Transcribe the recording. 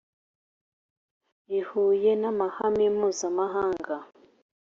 Rihuye N Amahame Mpuzamahanga